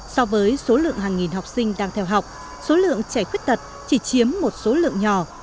so với số lượng hàng nghìn học sinh đang theo học số lượng trẻ khuyết tật chỉ chiếm một số lượng nhỏ